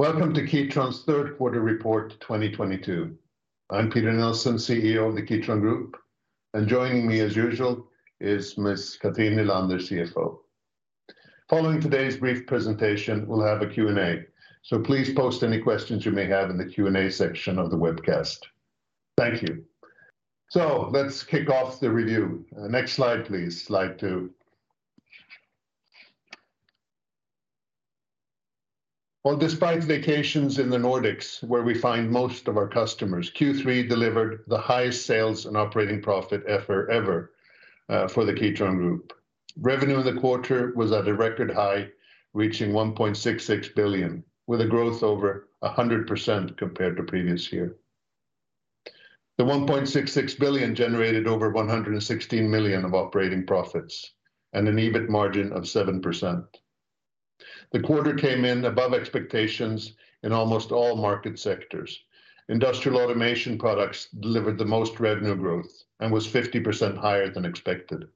Welcome to Kitron's third quarter report 2022. I'm Peter Nilsson, CEO of the Kitron Group, and joining me as usual is Miss Cathrin Nylander, CFO. Following today's brief presentation, we'll have a Q&A, so please post any questions you may have in the Q&A section of the webcast. Thank you. Let's kick off the review. Next slide, please. Slide two. Well, despite vacations in the Nordics, where we find most of our customers, Q3 delivered the highest sales and operating profit ever for the Kitron Group. Revenue in the quarter was at a record high, reaching 1.66 billion, with a growth over 100% compared to previous year. The 1.66 billion generated over 116 million of operating profits and an EBIT margin of 7%. The quarter came in above expectations in almost all market sectors. Industrial automation products delivered the most revenue growth and was 50% higher than expected.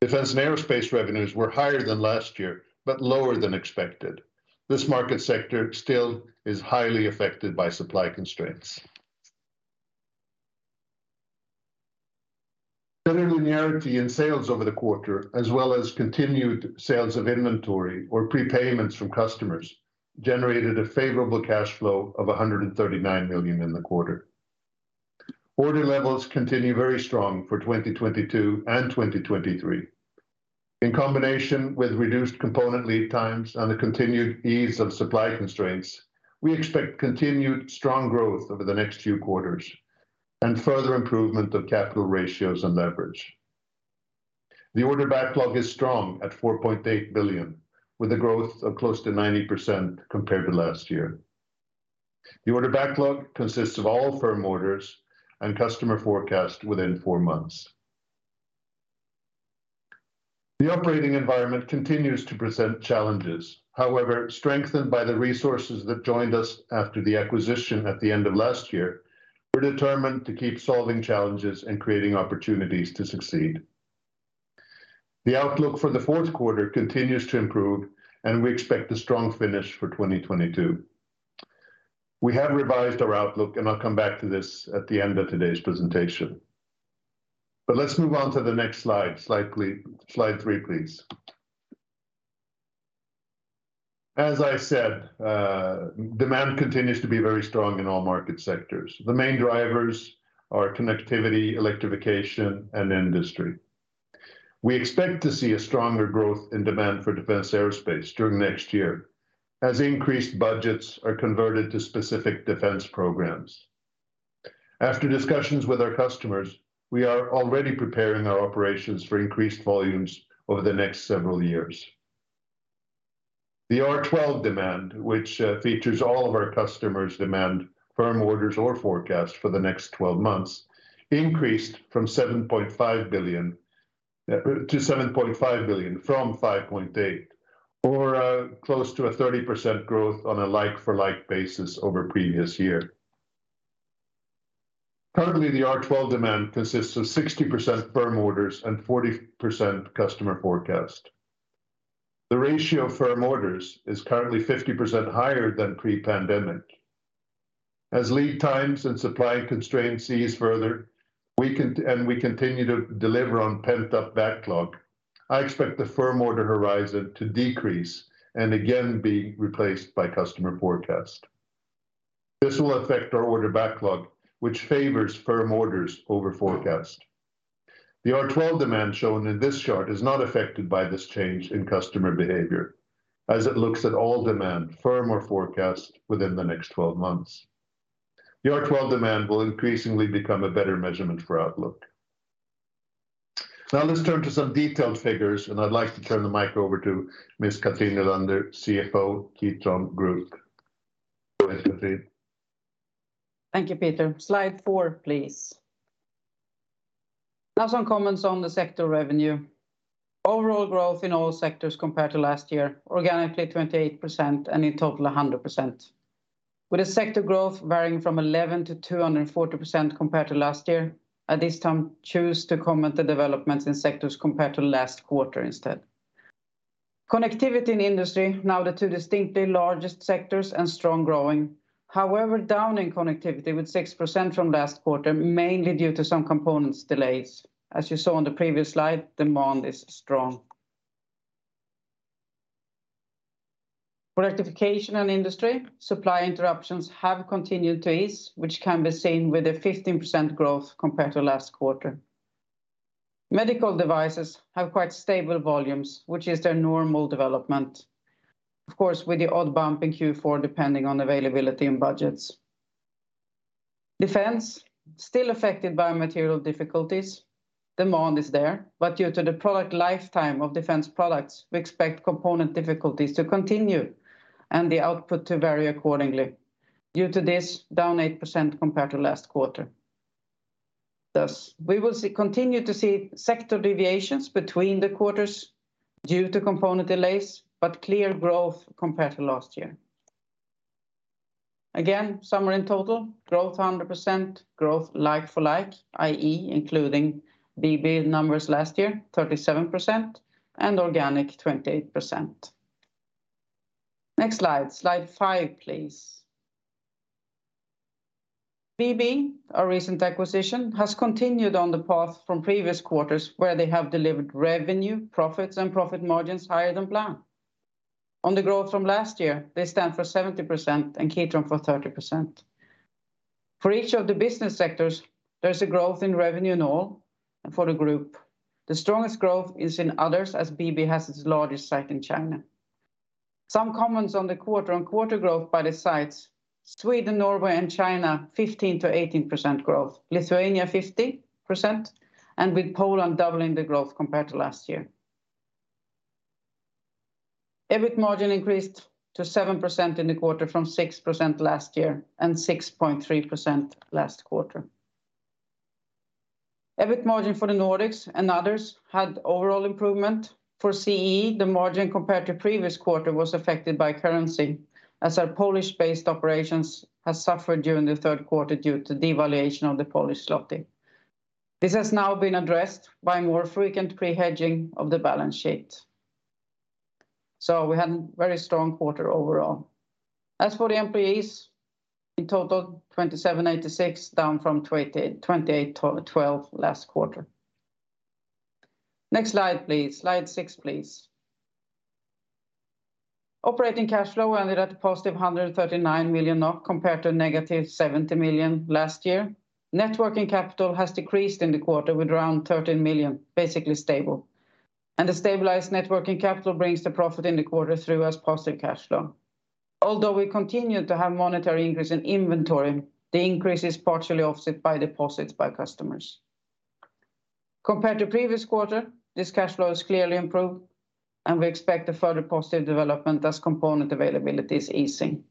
Defense and aerospace revenues were higher than last year, but lower than expected. This market sector still is highly affected by supply constraints. Better linearity in sales over the quarter, as well as continued sales of inventory or prepayments from customers, generated a favorable cash flow of 139 million in the quarter. Order levels continue very strong for 2022 and 2023. In combination with reduced component lead times and the continued ease of supply constraints, we expect continued strong growth over the next few quarters and further improvement of capital ratios and leverage. The order backlog is strong at 4.8 billion, with a growth of close to 90% compared to last year. The order backlog consists of all firm orders and customer forecast within four months. The operating environment continues to present challenges. However, strengthened by the resources that joined us after the acquisition at the end of last year, we're determined to keep solving challenges and creating opportunities to succeed. The outlook for the fourth quarter continues to improve, and we expect a strong finish for 2022. We have revised our outlook, and I'll come back to this at the end of today's presentation. Let's move on to the next slide. Slide three, please. As I said, demand continues to be very strong in all market sectors. The main drivers are connectivity, electrification, and industry. We expect to see a stronger growth in demand for defense aerospace during next year as increased budgets are converted to specific defense programs. After discussions with our customers, we are already preparing our operations for increased volumes over the next several years. The R12 demand, which features all of our customers' demand, firm orders or forecasts for the next 12 months, increased to 7.5 billion from 5.8 billion, or close to a 30% growth on a like-for-like basis over previous year. Currently, the R12 demand consists of 60% firm orders and 40% customer forecast. The ratio of firm orders is currently 50% higher than pre-pandemic. As lead times and supply constraints ease further, we continue to deliver on pent-up backlog. I expect the firm order horizon to decrease and again be replaced by customer forecast. This will affect our order backlog, which favors firm orders over forecast. The R12 demand shown in this chart is not affected by this change in customer behavior, as it looks at all demand, firm or forecast, within the next 12 months. The R12 demand will increasingly become a better measurement for outlook. Now let's turn to some detailed figures, and I'd like to turn the mic over to Miss Cathrin Nylander, CFO, Kitron Group. Go ahead, Cathrin. Thank you, Peter. Slide four, please. Now some comments on the sector revenue. Overall growth in all sectors compared to last year, organically 28% and in total 100%. With the sector growth varying from 11% to 240% compared to last year, at this time, choose to comment the developments in sectors compared to last quarter instead. Connectivity and industry, now the two distinctly largest sectors and strong growing. However, down in Connectivity with 6% from last quarter, mainly due to some components delays. As you saw on the previous slide, demand is strong. For Electrification and industry, supply interruptions have continued to ease, which can be seen with a 15% growth compared to last quarter. Medical devices have quite stable volumes, which is their normal development. Of course, with the odd bump in Q4, depending on availability and budgets. Defense still affected by material difficulties. Demand is there, but due to the product lifetime of defense products, we expect component difficulties to continue and the output to vary accordingly. Due to this, down 8% compared to last quarter. Thus, we will see, continue to see sector deviations between the quarters due to component delays, but clear growth compared to last year. Again, summary in total, growth 100%, growth like for like, i.e., including BB numbers last year, 37%, and organic, 28%. Next slide five, please. BB, our recent acquisition, has continued on the path from previous quarters where they have delivered revenue, profits, and profit margins higher than planned. On the growth from last year, they stand for 70% and Kitron for 30%. For each of the business sectors, there's a growth in revenue in all and for the group. The strongest growth is in others, as BB has its largest site in China. Some comments on the quarter-on-quarter growth by the sites. Sweden, Norway, and China, 15%-18% growth. Lithuania, 50%, and with Poland doubling the growth compared to last year. EBIT margin increased to 7% in the quarter from 6% last year, and 6.3% last quarter. EBIT margin for the Nordics and others had overall improvement. For CEE, the margin compared to previous quarter was affected by currency, as our Polish-based operations has suffered during the third quarter due to devaluation of the Polish zloty. This has now been addressed by more frequent pre-hedging of the balance sheet. We had a very strong quarter overall. As for the employees, in total, 2,786, down from 2,812 last quarter. Next slide, please. Slide six, please. Operating cash flow ended at a +139 million NOK compared to a -70 million last year. Net working capital has decreased in the quarter by around 13 million, basically stable. The stabilized net working capital brings the profit in the quarter through as positive cash flow. Although we continue to have moderate increase in inventory, the increase is partially offset by deposits by customers. Compared to previous quarter, this cash flow has clearly improved, and we expect a further positive development as component availability is easing.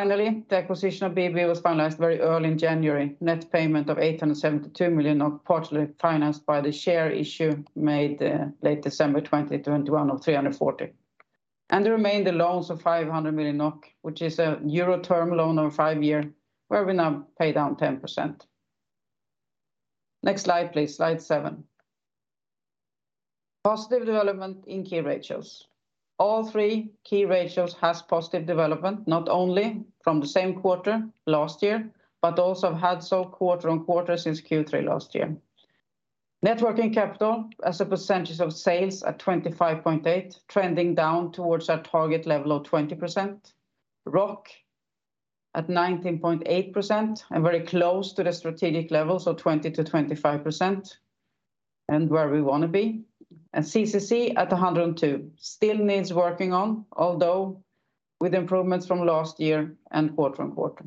Finally, the acquisition of BB was finalized very early in January. Net payment of 872 million, partially financed by the share issue made late December 2021 of 340 million. The remainder loans of 500 million NOK, which is a euro term loan over five year, where we now pay down 10%. Next slide, please. Slide seven. Positive development in key ratios. All three key ratios has positive development, not only from the same quarter last year, but also have had so quarter-over-quarter since Q3 last year. Net working capital as a percentage of sales at 25.8%, trending down towards our target level of 20%. ROOC at 19.8%, and very close to the strategic level, so 20%-25%, and where we want to be. CCC at 102 still needs working on, although with improvements from last year and quarter-over-quarter.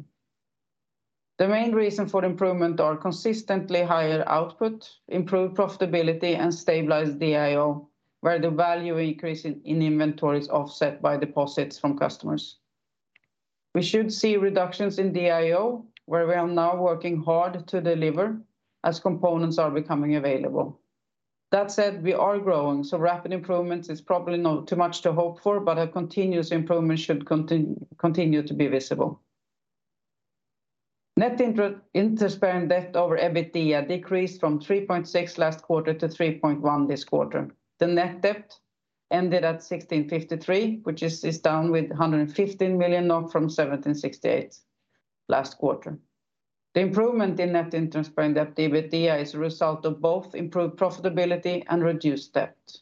The main reason for the improvement are consistently higher output, improved profitability, and stabilized DIO, where the value increase in inventory is offset by deposits from customers. We should see reductions in DIO, where we are now working hard to deliver as components are becoming available. That said, we are growing, so rapid improvements is probably not too much to hope for, but a continuous improvement should continue to be visible. Net interest bearing debt over EBITDA decreased from 3.6 last quarter to 3.1 this quarter. The net debt ended at 1,653 million, which is down with 115 million from 1,768 million last quarter. The improvement in net interest bearing debt to EBITDA is a result of both improved profitability and reduced debt.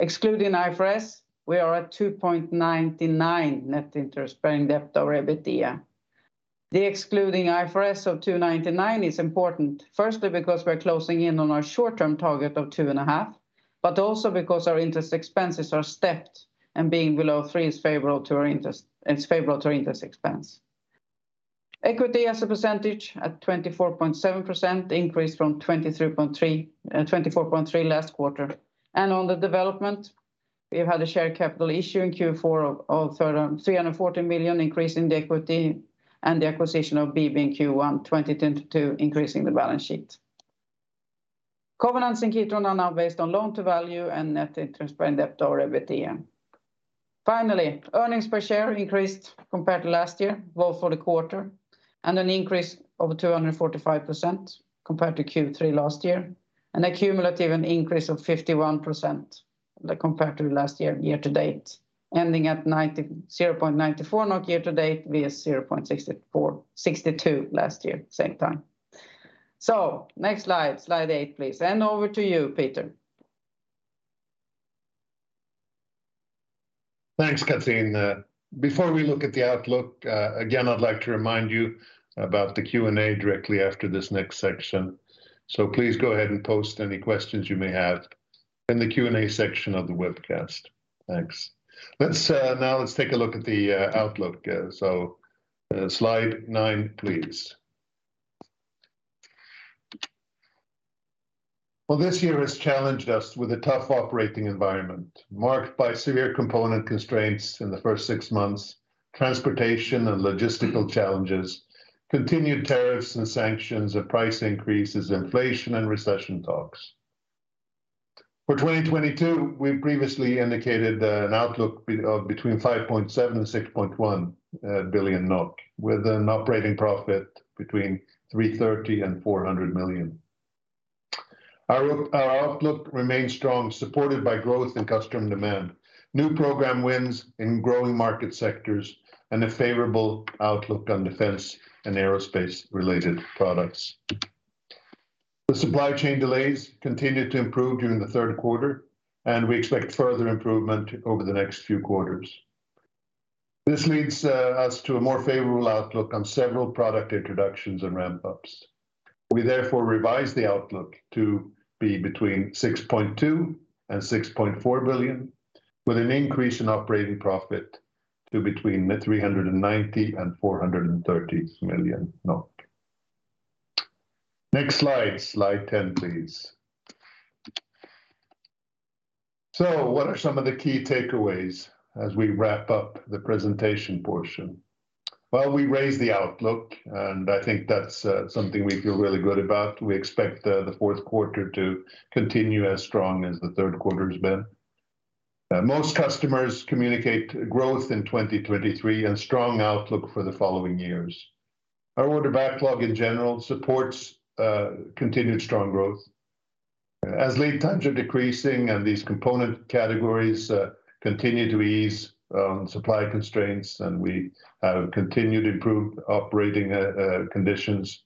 Excluding IFRS, we are at 2.99 net interest bearing debt over EBITDA. The excluding IFRS of 2.99 is important, firstly because we're closing in on our short-term target of 2.5, but also because our interest expenses are stepped, and being below three is favorable to our interest, it's favorable to our interest expense. Equity as a percentage at 24.7% increased from 24.3% last quarter. On the development, we have had a share capital issue in Q4 of 340 million increase in the equity and the acquisition of BB in Q1 2022 increasing the balance sheet. Covenants in Kitron are now based on loan to value and net interest bearing debt over EBITDA. Finally, earnings per share increased compared to last year, both for the quarter, and an increase of 245% compared to Q3 last year, and a cumulative increase of 51% compared to last year to date, ending at 0.94 NOK year to date versus 0.62 last year same time. Next slide eight, please. Over to you, Peter. Thanks, Cathrin. Before we look at the outlook, again, I'd like to remind you about the Q&A directly after this next section. Please go ahead and post any questions you may have in the Q&A section of the webcast. Thanks. Let's now take a look at the outlook. So, slide nine, please. Well, this year has challenged us with a tough operating environment, marked by severe component constraints in the first six months, transportation and logistical challenges, continued tariffs and sanctions, and price increases, inflation, and recession talks. For 2022, we previously indicated that an outlook of between 5.7 billion and 6.1 billion NOK, with an operating profit between 330 million and 400 million. Our outlook remains strong, supported by growth in customer demand, new program wins in growing market sectors, and a favorable outlook on defense and aerospace-related products. The supply chain delays continued to improve during the third quarter, and we expect further improvement over the next few quarters. This leads us to a more favorable outlook on several product introductions and ramp-ups. We therefore revise the outlook to be between 6.2 billion and 6.4 billion, with an increase in operating profit to between 390 million and 430 million. Next slide 10, please. What are some of the key takeaways as we wrap up the presentation portion? Well, we raised the outlook, and I think that's something we feel really good about. We expect the fourth quarter to continue as strong as the third quarter's been. Most customers communicate growth in 2023 and strong outlook for the following years. Our order backlog in general supports continued strong growth. As lead times are decreasing and these component categories continue to ease supply constraints and we have continuously improved operating conditions,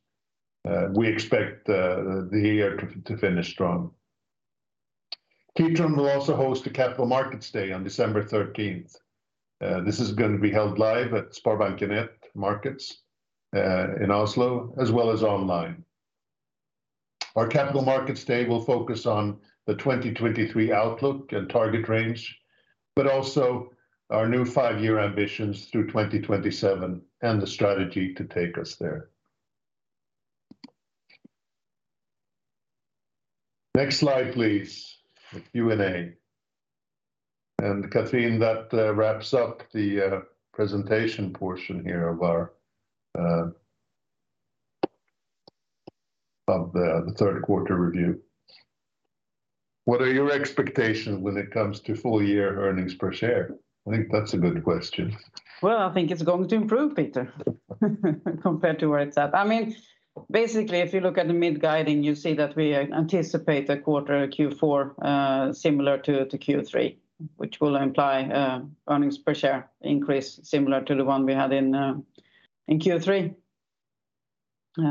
we expect the year to finish strong. Kitron will also host a Capital Markets Day on December 13th. This is gonna be held live at SpareBank 1 Markets in Oslo, as well as online. Our Capital Markets Day will focus on the 2023 outlook and target range, but also our new five-year ambitions through 2027 and the strategy to take us there. Next slide, please. The Q&A. Cathrin, that wraps up the presentation portion here of the third quarter review. What are your expectations when it comes to full year earnings per share? I think that's a good question. Well, I think it's going to improve, Peter, compared to where it's at. I mean, basically, if you look at the mid-guidance, you see that we anticipate Q4 similar to Q3, which will imply earnings per share increase similar to the one we had in Q3,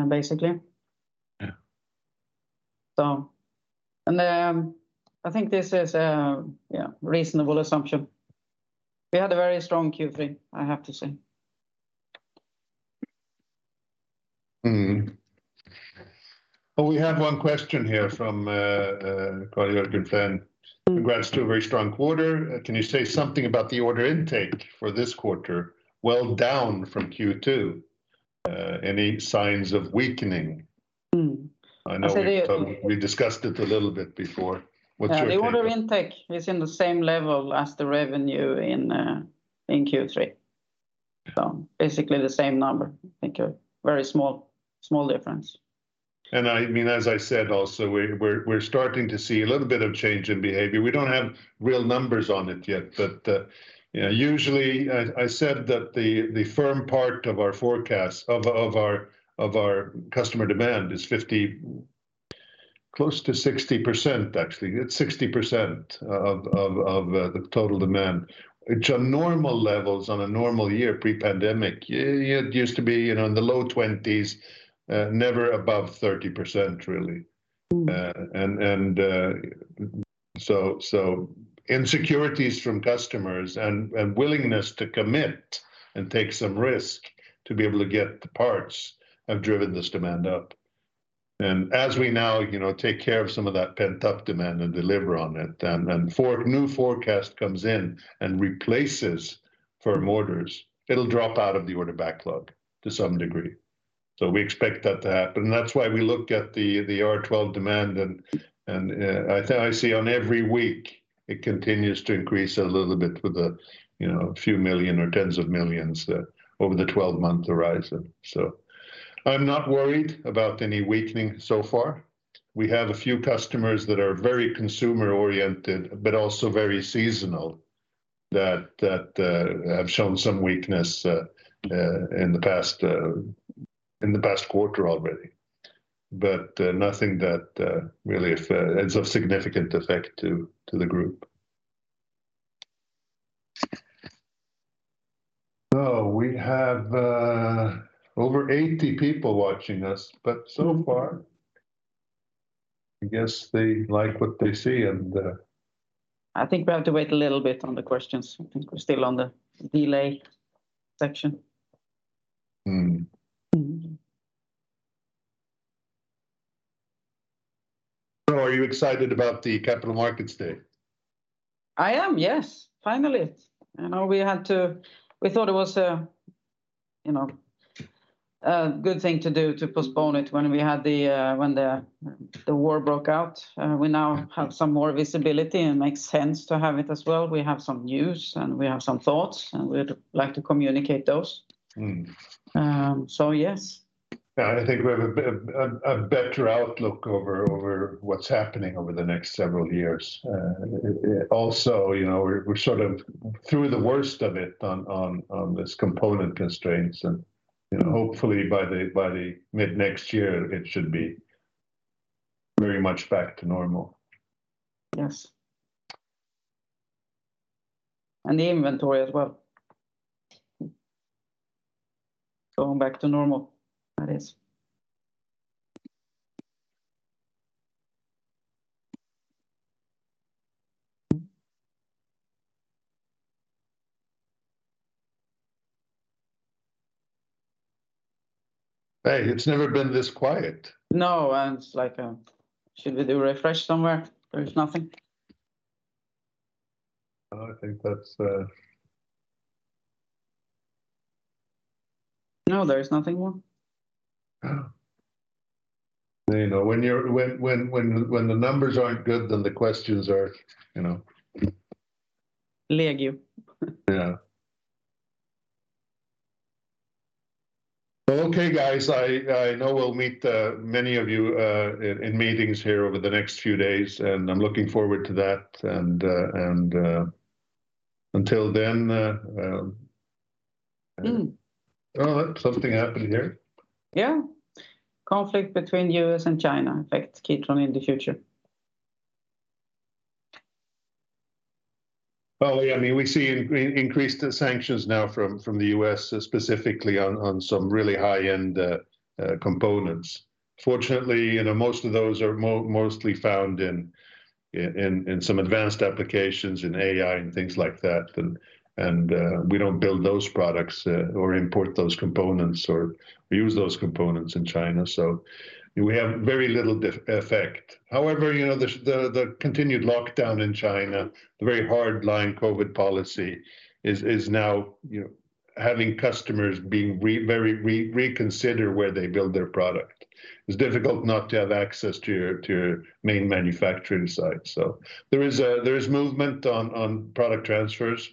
basically. Yeah. I think this is a, yeah, reasonable assumption. We had a very strong Q3, I have to say. Mm-hmm. Well, we have one question here from Carl Jørgen Flaen. Mm-hmm. Congrats to a very strong quarter. Can you say something about the order intake for this quarter? Well down from Q2. Any signs of weakening? Mm. I say we- I know we've talked, we discussed it a little bit before. What's your view? Yeah, the order intake is in the same level as the revenue in Q3. Yeah. Basically the same number. I think a very small difference. I mean, as I said also, we're starting to see a little bit of change in behavior. We don't have real numbers on it yet, but you know, usually I said that the firm part of our forecast of our customer demand is 50, close to 60% actually. It's 60% of the total demand, which on normal levels, on a normal year pre-pandemic, it used to be, you know, in the low 20s, never above 30% really. Mm. Insecurities from customers and willingness to commit and take some risk to be able to get the parts have driven this demand up. As we now, you know, take care of some of that pent-up demand and deliver on it, new forecast comes in and replaces firm orders, it'll drop out of the order backlog to some degree. We expect that to happen. That's why we look at the R12 demand and I see every week it continues to increase a little bit with a, you know, few million or tens of millions over the 12-month horizon. I'm not worried about any weakening so far. We have a few customers that are very consumer-oriented but also very seasonal that have shown some weakness in the past quarter already. Nothing that really has a significant effect to the group. We have over 80 people watching us, but so far I guess they like what they see. I think we have to wait a little bit on the questions. I think we're still on the delay section. Mm. Mm. Are you excited about the Capital Markets Day? I am, yes. Finally. You know, we thought it was a, you know, a good thing to do to postpone it when the war broke out. We now have some more visibility and makes sense to have it as well. We have some news, and we have some thoughts, and we'd like to communicate those. Mm. Yes. I think we have a better outlook over what's happening over the next several years. Also, you know, we're sort of through the worst of it on this component constraints and, you know, hopefully by the mid next year it should be very much back to normal. Yes. The inventory as well. Going back to normal, that is. Hey, it's never been this quiet. No, it's like, should we do a refresh somewhere? There is nothing. I think that's. No, there is nothing more. Oh. You know, when the numbers aren't good, then the questions are, you know. Leggy. Yeah. Well, okay, guys, I know we'll meet many of you in meetings here over the next few days, and I'm looking forward to that. Until then. Mm. Oh, look, something happened here. Yeah. Conflict between U.S. and China affects Kitron in the future. Well, yeah, I mean, we see increased sanctions now from the U.S. specifically on some really high-end components. Fortunately, you know, most of those are mostly found in some advanced applications in AI and things like that. We don't build those products or import those components or use those components in China. We have very little effect. However, you know, the continued lockdown in China, the very hard line COVID policy is now, you know, having customers reconsider where they build their product. It's difficult not to have access to your main manufacturing site. There is movement on product transfers,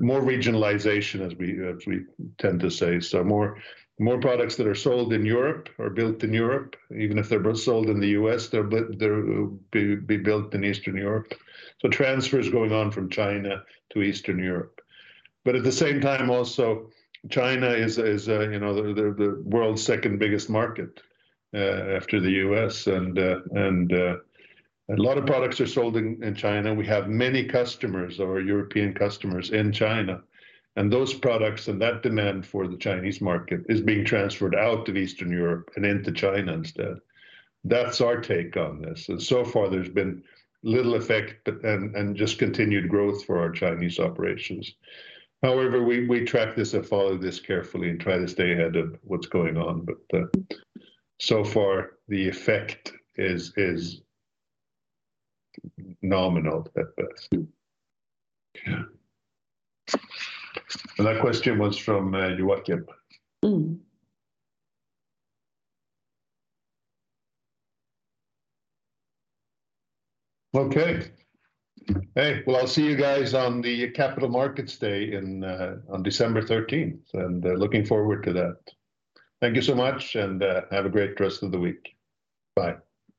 more regionalization as we tend to say. More products that are sold in Europe are built in Europe. Even if they're sold in the U.S., they're built in Eastern Europe. Transfers going on from China to Eastern Europe. At the same time also, China is a you know the world's second biggest market after the U.S. A lot of products are sold in China. We have many customers or European customers in China, and those products and that demand for the Chinese market is being transferred out of Eastern Europe and into China instead. That's our take on this. So far there's been little effect but just continued growth for our Chinese operations. However, we track this and follow this carefully and try to stay ahead of what's going on. So far the effect is nominal at best. Mm. Yeah. That question was from Joakim. Mm. Okay. Hey, well, I'll see you guys on the Capital Markets Day on December 13th, and looking forward to that. Thank you so much and have a great rest of the week. Bye.